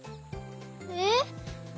えっ？